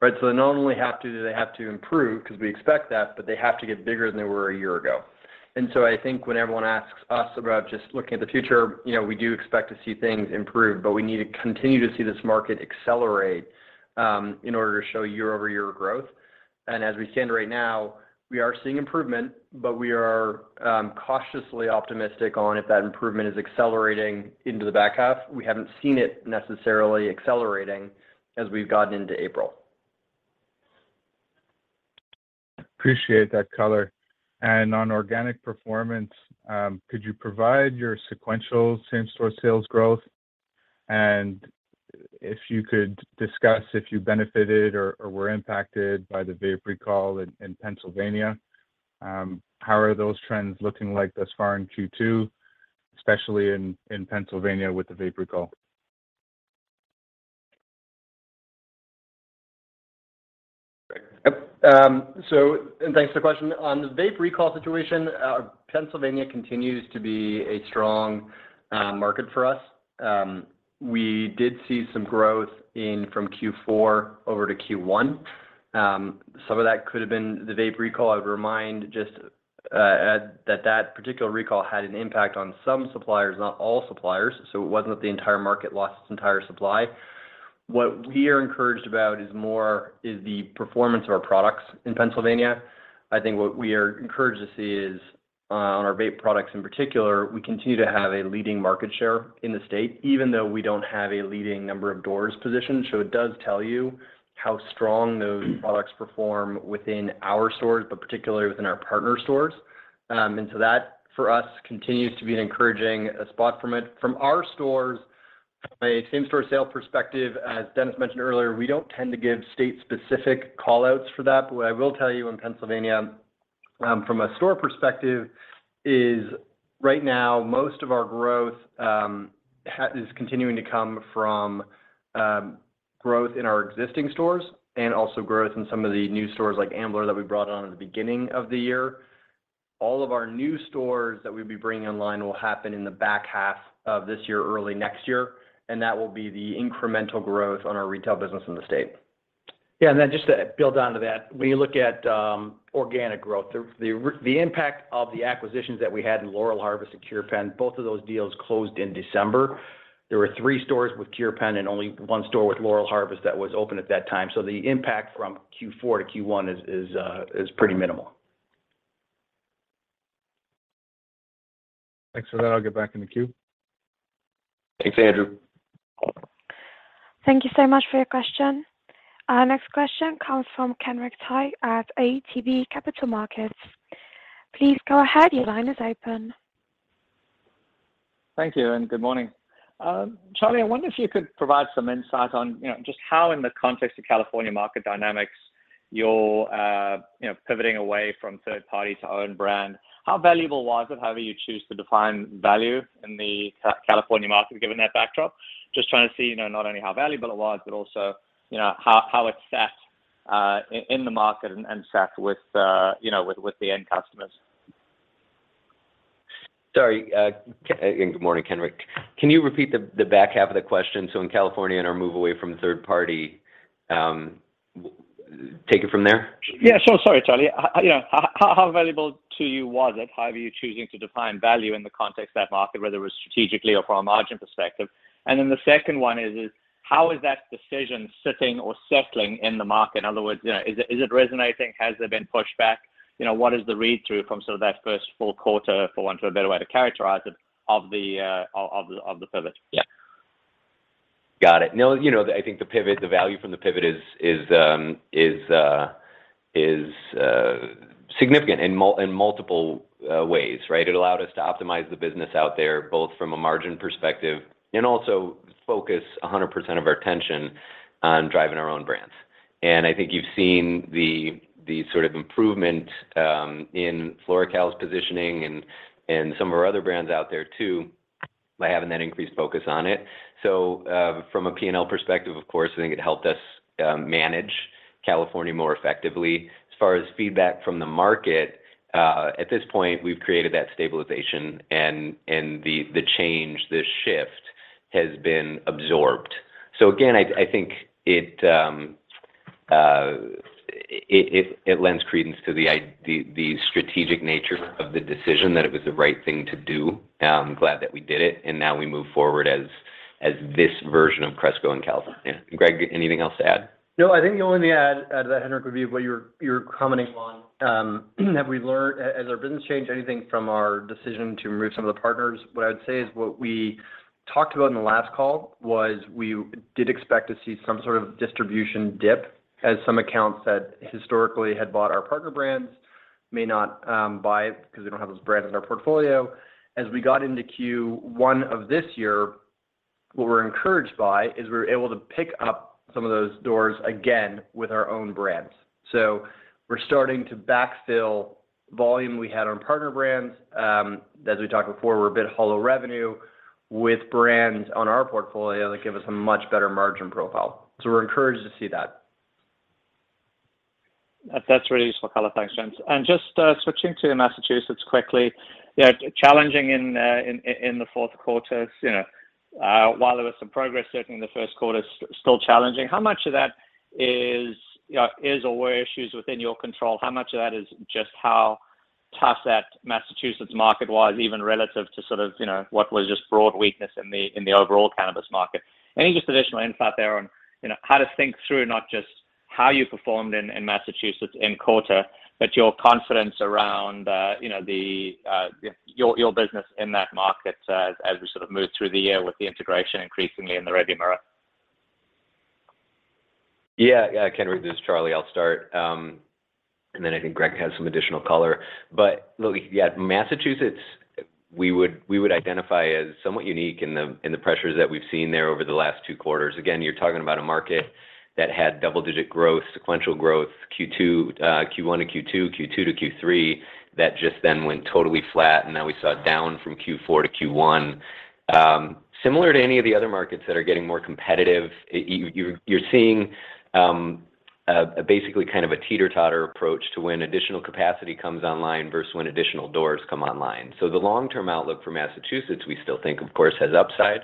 right? They not only have to, do they have to improve, because we expect that, but they have to get bigger than they were a year ago. I think when everyone asks us about just looking at the future, you know, we do expect to see things improve, but we need to continue to see this market accelerate in order to show year over year growth. As we stand right now, we are seeing improvement, but we are cautiously optimistic on if that improvement is accelerating into the back half. We haven't seen it necessarily accelerating as we've gotten into April. Appreciate that color. On organic performance, could you provide your sequential same-store sales growth? If you could discuss if you benefited or were impacted by the vape recall in Pennsylvania. How are those trends looking like thus far in Q2, especially in Pennsylvania with the vape recall? Yep. Thanks for the question. On the vape recall situation, Pennsylvania continues to be a strong market for us. We did see some growth from Q4 over to Q1. Some of that could have been the vape recall. I would just remind that particular recall had an impact on some suppliers, not all suppliers, so it wasn't that the entire market lost its entire supply. What we are encouraged about is more the performance of our products in Pennsylvania. I think what we are encouraged to see is, on our vape products in particular, we continue to have a leading market share in the state, even though we don't have a leading number of doors positioned. It does tell you how strong those products perform within our stores, but particularly within our partner stores. That for us continues to be an encouraging spot from it. From our stores, a same-store sales perspective, as Dennis mentioned earlier, we don't tend to give state specific call-outs for that. What I will tell you in Pennsylvania, from a store perspective is right now, most of our growth is continuing to come from growth in our existing stores and also growth in some of the new stores like Ambler that we brought on at the beginning of the year. All of our new stores that we'll be bringing online will happen in the back half of this year, early next year, and that will be the incremental growth on our retail business in the state. Yeah. Then just to build on to that, when you look at organic growth, the impact of the acquisitions that we had in Laurel Harvest and Cure Penn, both of those deals closed in December. There were 3 stores with Cure Penn and only 1 store with Laurel Harvest that was open at that time. The impact from Q4 to Q1 is pretty minimal. Thanks for that. I'll get back in the queue. Thanks, Andrew. Thank you so much for your question. Our next question comes from Kenric Tyghe at ATB Capital Markets. Please go ahead. Your line is open. Thank you, and good morning. Charles, I wonder if you could provide some insight on, you know, just how in the context of California market dynamics, you're, you know, pivoting away from third party to own brand. How valuable was it, however you choose to define value in the California market, given that backdrop? Just trying to see, you know, not only how valuable it was, but also, you know, how it sat in the market and sat with, you know, with the end customers. Sorry, and good morning, Kenric. Can you repeat the back half of the question? In California and our move away from third party, take it from there. Yeah, sure. Sorry, Charlie. How, you know, how valuable to you was it, however you're choosing to define value in the context of that market, whether it was strategically or from a margin perspective? Then the second one is, how is that decision sitting or settling in the market? In other words, you know, is it resonating? Has there been pushback? You know, what is the read-through from sort of that first full quarter, for want of a better way to characterize it, of the pivot? Yeah. Got it. No, you know, I think the pivot, the value from the pivot is significant in multiple ways, right? It allowed us to optimize the business out there, both from a margin perspective and also focus 100% of our attention on driving our own brands. I think you've seen the sort of improvement in FloraCal's positioning and some of our other brands out there too by having that increased focus on it. From a P&L perspective, of course, I think it helped us manage California more effectively. As far as feedback from the market, at this point, we've created that stabilization and the change, the shift has been absorbed. Again, I think it lends credence to the strategic nature of the decision that it was the right thing to do. I'm glad that we did it, and now we move forward as this version of Cresco in California. Yeah. Greg, anything else to add? No, I think the only thing to add to that, Kenrick, would be what you're commenting on. Have we learned as our business changed anything from our decision to remove some of the partners? What I would say is what we talked about in the last call was we did expect to see some sort of distribution dip as some accounts that historically had bought our partner brands may not buy because we don't have those brands in our portfolio. As we got into Q1 of this year, what we're encouraged by is we're able to pick up some of those doors again with our own brands. We're starting to backfill volume we had on partner brands. As we talked before, we're a bit lower revenue with brands on our portfolio that give us a much better margin profile. We're encouraged to see that. That's really useful color. Thanks, gents. Just switching to Massachusetts quickly. You know, challenging in Q4. You know, while there was some progress certainly in Q1, still challenging. How much of that is or were issues within your control? How much of that is just how tough that Massachusetts market was, even relative to sort of what was just broad weakness in the overall cannabis market? Any just additional insight there on how to think through not just how you performed in Massachusetts in quarter, but your confidence around your business in that market as we sort of move through the year with the integration increasingly in the rearview mirror. Yeah. Kenric, this is Charlie. I'll start, and then I think Greg has some additional color. Look, yeah, Massachusetts, we would identify as somewhat unique in the pressures that we've seen there over the last two quarters. Again, you're talking about a market that had double-digit growth, sequential growth, Q2, Q1 to Q2 to Q3, that just then went totally flat, and now we saw it down from Q4 to Q1. Similar to any of the other markets that are getting more competitive, you're seeing basically kind of a teeter-totter approach to when additional capacity comes online versus when additional doors come online. The long-term outlook for Massachusetts, we still think, of course, has upside,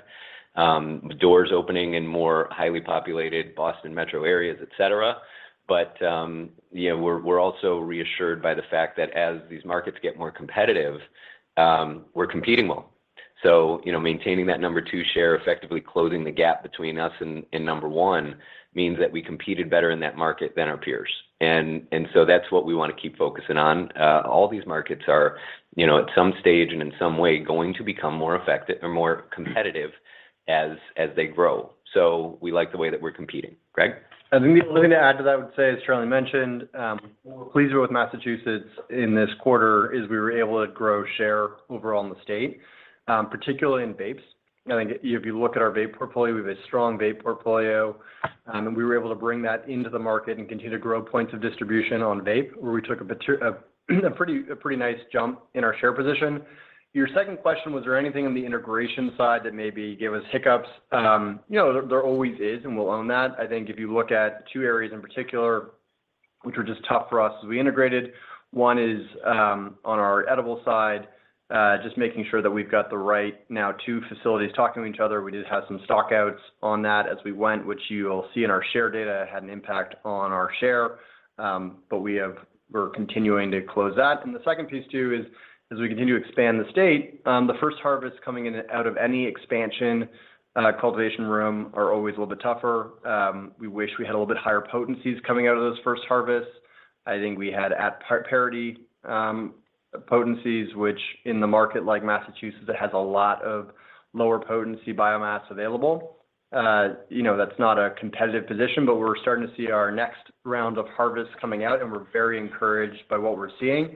doors opening in more highly populated Boston metro areas, et cetera. you know, we're also reassured by the fact that as these markets get more competitive, we're competing well. You know, maintaining that number two share, effectively closing the gap between us and number one means that we competed better in that market than our peers. That's what we wanna keep focusing on. All these markets are, you know, at some stage and in some way going to become more effective or more competitive as they grow. We like the way that we're competing. Greg. I think the only thing to add to that, I would say, as Charlie mentioned, what we're pleased with Massachusetts in this quarter is we were able to grow share overall in the state, particularly in vapes. I think if you look at our vape portfolio, we have a strong vape portfolio, and we were able to bring that into the market and continue to grow points of distribution on vape, where we took a pretty nice jump in our share position. Your second question, was there anything in the integration side that maybe gave us hiccups? You know, there always is, and we'll own that. I think if you look at two areas in particular, which were just tough for us as we integrated, one is, on our edible side, just making sure that we've got the right now two facilities talking to each other. We did have some stock outs on that as we went, which you'll see in our share data had an impact on our share. We're continuing to close that. The second piece too is as we continue to expand the state, the first harvest coming in out of any expansion, cultivation room are always a little bit tougher. We wish we had a little bit higher potencies coming out of those first harvests. I think we had at parity potencies, which in the market like Massachusetts, it has a lot of lower potency biomass available. You know, that's not a competitive position, but we're starting to see our next round of harvests coming out, and we're very encouraged by what we're seeing,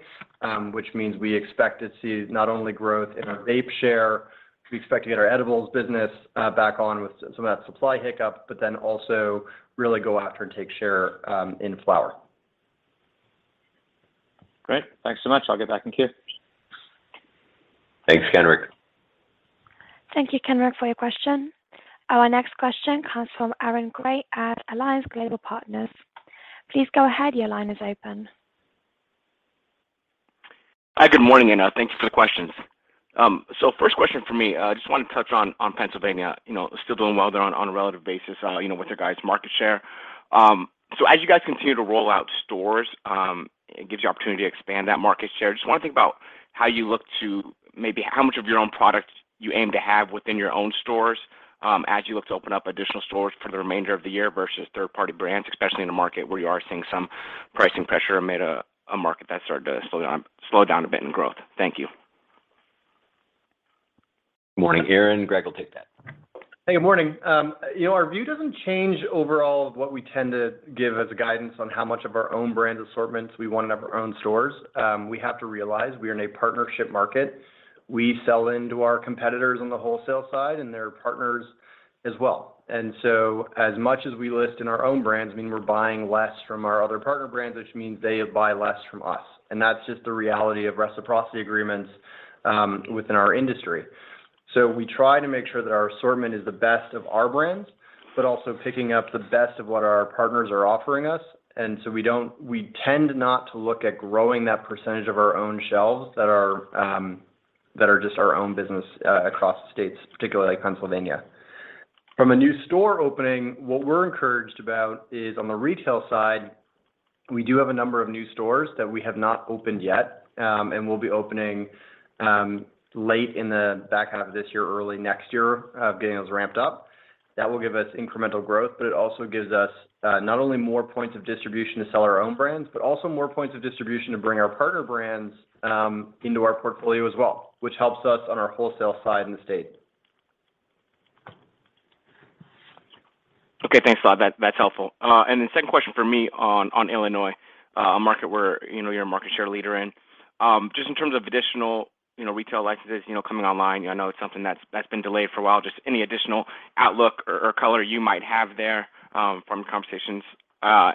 which means we expect to see not only growth in our vape share, we expect to get our edibles business back on with some of that supply hiccup, but then also really go after and take share in flower. Great. Thanks so much. I'll get back in queue. Thanks, Kenric. Thank you, Kenric, for your question. Our next question comes from Aaron Grey at Alliance Global Partners. Please go ahead. Your line is open. Hi, good morning, and thanks for the questions. First question for me, I just wanted to touch on Pennsylvania, you know, still doing well there on a relative basis, you know, with your guys market share. As you guys continue to roll out stores, it gives you opportunity to expand that market share. Just wanna think about how you look to maybe how much of your own product you aim to have within your own stores, as you look to open up additional stores for the remainder of the year versus third party brands, especially in a market where you are seeing some pricing pressure amid a market that started to slow down a bit in growth. Thank you. Morning, Aaron. Greg will take that. Hey, good morning. You know, our view doesn't change overall of what we tend to give as a guidance on how much of our own brand assortments we want in our own stores. We have to realize we are in a partnership market. We sell into our competitors on the wholesale side, and they're partners as well. As much as we list in our own brands mean we're buying less from our other partner brands, which means they buy less from us. That's just the reality of reciprocity agreements, within our industry. We try to make sure that our assortment is the best of our brands, but also picking up the best of what our partners are offering us. We don't. We tend not to look at growing that percentage of our own shelves that are just our own business across the states, particularly like Pennsylvania. From a new store opening, what we're encouraged about is on the retail side, we do have a number of new stores that we have not opened yet, and we'll be opening late in the back half of this year, early next year of getting those ramped up. That will give us incremental growth, but it also gives us not only more points of distribution to sell our own brands, but also more points of distribution to bring our partner brands into our portfolio as well, which helps us on our wholesale side in the state. Okay, thanks a lot. That's helpful. The second question for me on Illinois, a market where, you know, you're a market share leader in, just in terms of additional, you know, retail licenses, you know, coming online, I know it's something that's been delayed for a while. Just any additional outlook or color you might have there, from conversations. How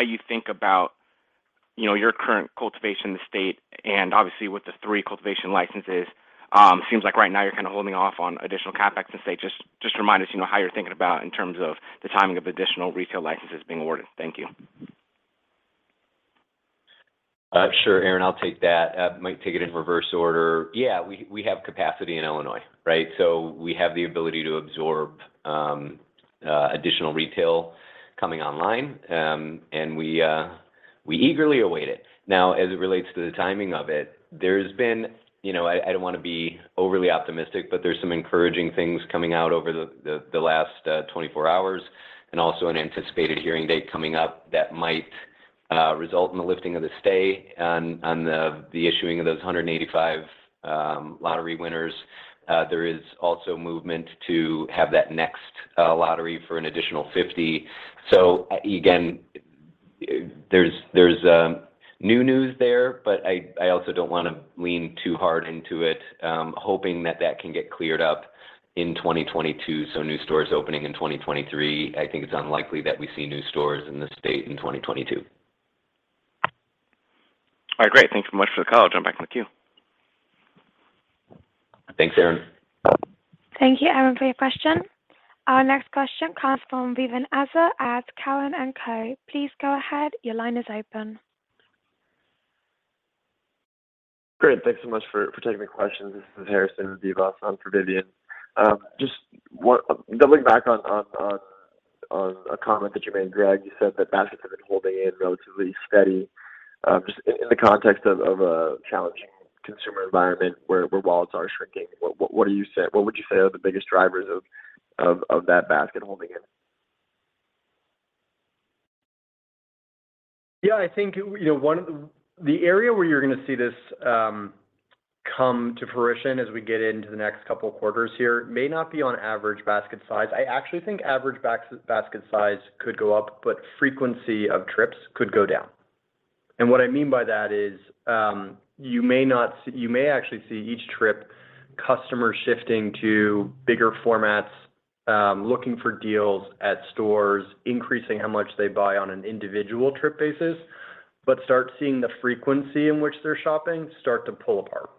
you think about, you know, your current cultivation in the state, and obviously with the 3 cultivation licenses, seems like right now you're kind of holding off on additional CapEx and say just remind us, you know, how you're thinking about in terms of the timing of additional retail licenses being awarded. Thank you. Sure, Aaron. I'll take that. I might take it in reverse order. Yeah. We have capacity in Illinois, right? So we have the ability to absorb additional retail coming online. We eagerly await it. Now, as it relates to the timing of it, there's been, you know, I don't wanna be overly optimistic, but there's some encouraging things coming out over the last 24 hours and also an anticipated hearing date coming up that might result in the lifting of the stay on the issuing of those 185 lottery winners. There is also movement to have that next lottery for an additional 50. Again, there's new news there, but I also don't wanna lean too hard into it, hoping that that can get cleared up in 2022. New stores opening in 2023. I think it's unlikely that we see new stores in the state in 2022. All right, great. Thank you so much for the call. Jump back in the queue. Thanks, Aaron. Thank you, Aaron, for your question. Our next question comes from Vivien Azer at Cowen and Company. Please go ahead. Your line is open. Great. Thanks so much for taking my questions. This is Harrison with Cowen and Company on for Vivien Azer. Doubling back on a comment that you made, Greg, you said that baskets have been holding in relatively steady. Just in the context of a challenging consumer environment where wallets are shrinking, what would you say are the biggest drivers of that basket holding in? Yeah, I think, you know, the area where you're gonna see this come to fruition as we get into the next couple of quarters here may not be on average basket size. I actually think average basket size could go up, but frequency of trips could go down. What I mean by that is, you may actually see each trip customer shifting to bigger formats, looking for deals at stores, increasing how much they buy on an individual trip basis, but start seeing the frequency in which they're shopping start to pull apart.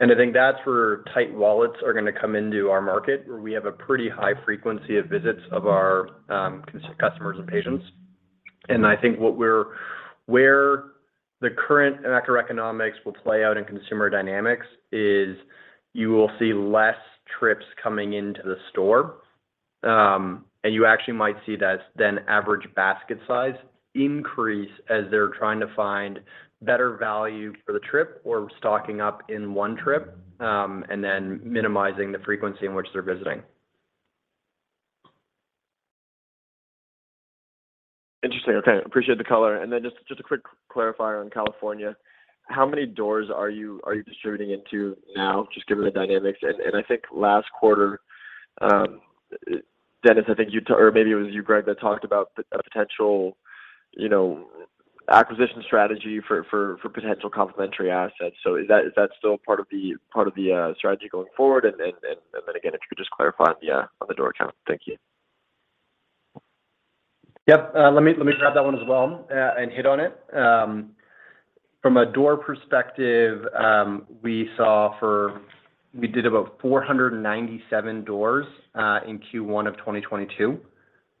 I think that's where tight wallets are gonna come into our market, where we have a pretty high frequency of visits of our customers and patients. I think where the current macroeconomics will play out in consumer dynamics is you will see less trips coming into the store, and you actually might see the average basket size increase as they're trying to find better value for the trip or stocking up in one trip, and then minimizing the frequency in which they're visiting. Interesting. Okay. Appreciate the color. Just a quick clarifier on California. How many doors are you distributing into now, just given the dynamics? I think last quarter, Dennis, I think you or maybe it was you, Greg, that talked about a potential, you know, acquisition strategy for potential complementary assets. Is that still part of the strategy going forward? Then again, if you could just clarify on the door count. Thank you. Yep. Let me grab that one as well, and hit on it. From a door perspective, we did about 497 doors in Q1 of 2022.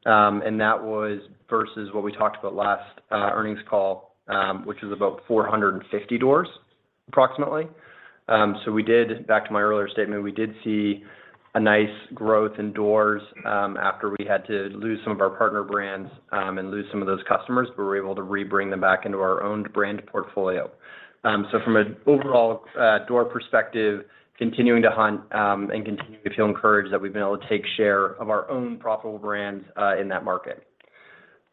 That was versus what we talked about last earnings call, which is about 450 doors approximately. Back to my earlier statement, we did see a nice growth in doors after we had to lose some of our partner brands, and lose some of those customers, but we were able to re-bring them back into our own brand portfolio. From an overall door perspective, continuing to hunt, and continue to feel encouraged that we've been able to take share of our own profitable brands in that market.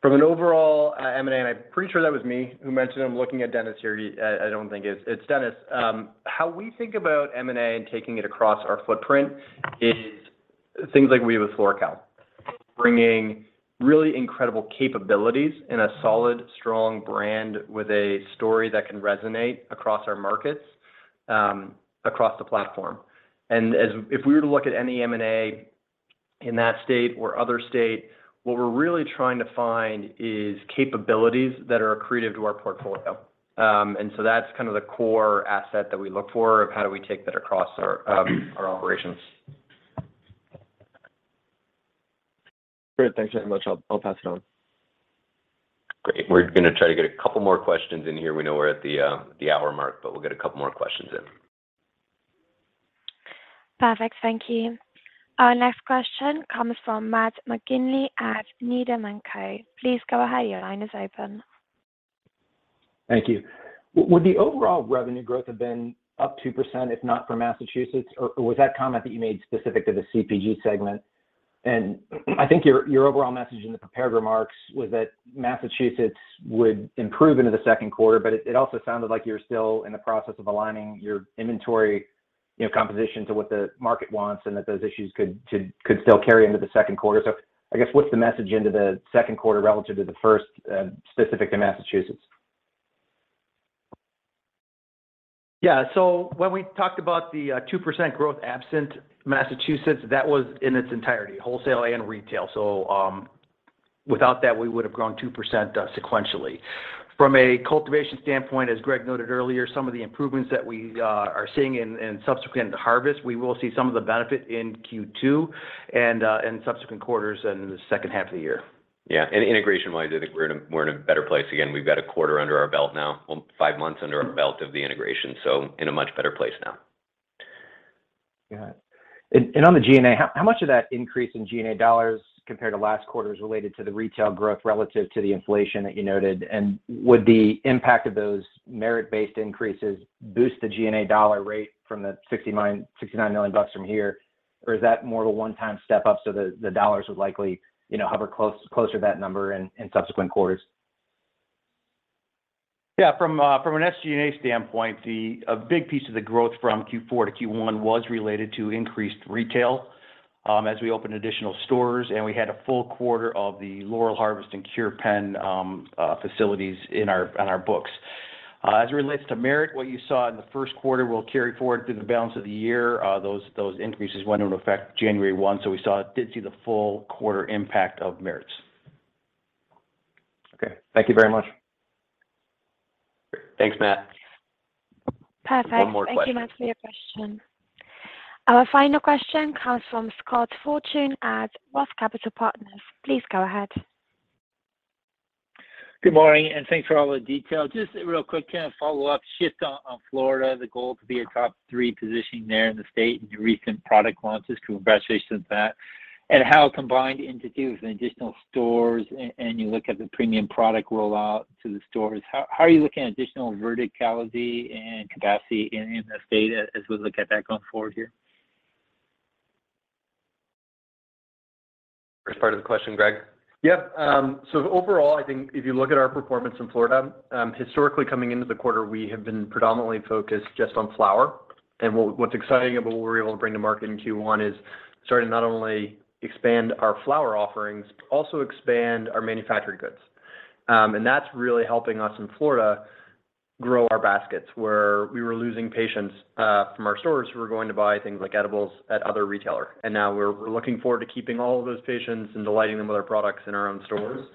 From an overall M&A, I'm pretty sure that was me who mentioned. I'm looking at Dennis here. It's Dennis. How we think about M&A and taking it across our footprint is things like we have with FloraCal, bringing really incredible capabilities in a solid, strong brand with a story that can resonate across our markets, across the platform. If we were to look at any M&A in that state or other state, what we're really trying to find is capabilities that are accretive to our portfolio. That's kind of the core asset that we look for of how do we take that across our operations. Great. Thanks very much. I'll pass it on. Great. We're gonna try to get a couple more questions in here. We know we're at the hour mark, but we'll get a couple more questions in. Perfect. Thank you. Our next question comes from Matt McGinley at Needham & Company. Please go ahead. Your line is open. Thank you. Would the overall revenue growth have been up 2% if not for Massachusetts? Or was that comment that you made specific to the CPG segment? I think your overall message in the prepared remarks was that Massachusetts would improve into Q2, but it also sounded like you're still in the process of aligning your inventory composition to what the market wants and that those issues could still carry into Q2. I guess, what's the message into Q2 relative to the first specific to Massachusetts? Yeah. When we talked about the 2% growth absent Massachusetts, that was in its entirety, wholesale and retail. Without that, we would have grown 2% sequentially. From a cultivation standpoint, as Greg noted earlier, some of the improvements that we are seeing in subsequent harvest, we will see some of the benefit in Q2 and in subsequent quarters and in H2 of the year. Yeah. Integration-wise, I think we're in a better place. Again, we've got a quarter under our belt now. Well, five months under our belt of the integration, so in a much better place now. Got it. On the G&A, how much of that increase in G&A dollars compared to last quarter is related to the retail growth relative to the inflation that you noted? Would the impact of those merit-based increases boost the G&A dollar rate from the $69 million from here? Or is that more of a one-time step up so the dollars would likely, you know, hover closer to that number in subsequent quarters? Yeah. From an SG&A standpoint, a big piece of the growth from Q4 to Q1 was related to increased retail, as we opened additional stores, and we had a full quarter of the Laurel Harvest and Cure Penn facilities in our books. As it relates to merit, what you saw in Q1 will carry forward through the balance of the year. Those increases went into effect January 1, so we did see the full quarter impact of merits. Okay. Thank you very much. Great. Thanks, Matt. Perfect. One more question. Thank you, Matt, for your question. Our final question comes from Scott Fortune at ROTH Capital Partners. Please go ahead. Good morning, and thanks for all the detail. Just real quick, can I follow up just on Florida, the goal to be a top three position there in the state and your recent product launches? Congratulations on that. How combined into two with additional stores and you look at the premium product rollout to the stores, how are you looking at additional verticality and capacity in the state as we look at that going forward here? First part of the question, Greg? Yeah. So overall, I think if you look at our performance in Florida, historically coming into the quarter, we have been predominantly focused just on flower. What's exciting about what we're able to bring to market in Q1 is starting to not only expand our flower offerings, but also expand our manufactured goods. That's really helping us in Florida grow our baskets, where we were losing patients from our stores who were going to buy things like edibles at other retailer. Now we're looking forward to keeping all of those patients and delighting them with our products in our own stores.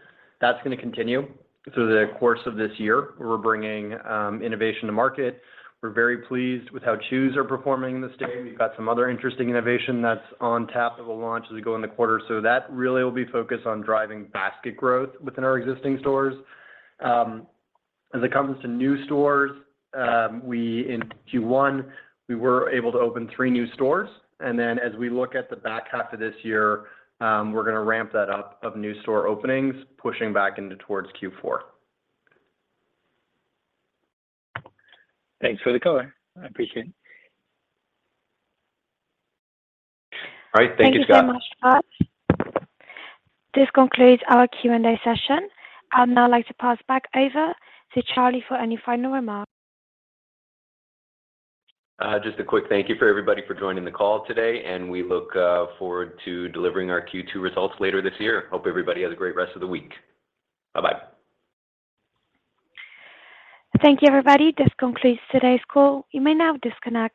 That's gonna continue through the course of this year. We're bringing innovation to market. We're very pleased with how chews are performing in the state. We've got some other interesting innovation that's on tap that we'll launch as we go in the quarter. That really will be focused on driving basket growth within our existing stores. In Q1, we were able to open three new stores. As we look at the back half of this year, we're gonna ramp that up of new store openings, pushing back into towards Q4. Thanks for the color. I appreciate it. All right. Thank you, Scott. Thank you so much, Scott. This concludes our Q&A session. I'd now like to pass back over to Charlie for any final remarks. Just a quick thank you for everybody for joining the call today, and we look forward to delivering our Q2 results later this year. Hope everybody has a great rest of the week. Bye-bye. Thank you, everybody. This concludes today's call. You may now disconnect.